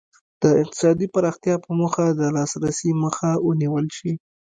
د اقتصادي پراختیا په موخه د لاسرسي مخه ونیول شي.